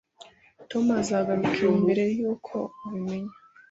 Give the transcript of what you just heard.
Tom azagaruka mbere yuko ubimenya